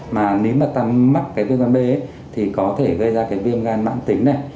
mà nếu mà ta mắc cái vnvc thì có thể gây ra cái viêm gan mãn tính này